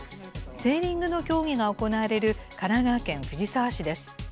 セーリングの競技が行われる神奈川県藤沢市です。